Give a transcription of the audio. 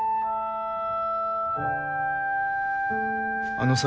あのさ。